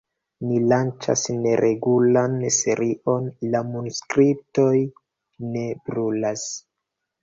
Ni lanĉas neregulan serion La manuskriptoj ne brulas.